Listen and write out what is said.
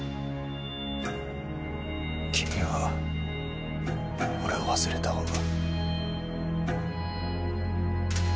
君は俺を忘れた方が。